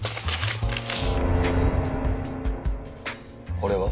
これは？